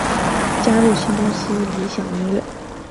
加入新公司理响音乐。